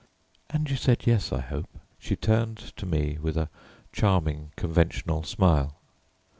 "And you said yes, I hope?" She turned to me with a charming conventional smile.